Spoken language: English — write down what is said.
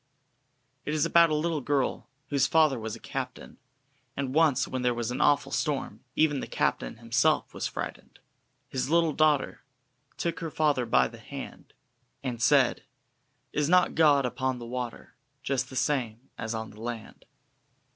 It is about a little girl whose father was a captain, and once when there was an awful storm, and even the captain himself was frightened: " his little daughter Took her father by the hand, And said: 'Is not God upon the water Just the same as on the land?'"